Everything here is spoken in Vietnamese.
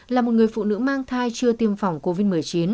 là một người phụ nữ mang thai chưa tiêm phòng covid một mươi chín